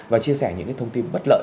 và chia sẻ những thông tin bất lợi